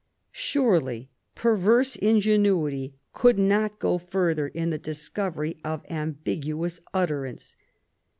Surely perverse ingenuity could not go further in the discovery of ambiguous utterance.